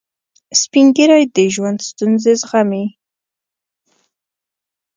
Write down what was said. سپین ږیری د ژوند ستونزې زغمي